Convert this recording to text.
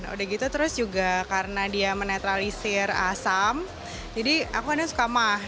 udah gitu terus juga karena dia menetralisir asam jadi aku kadang suka mah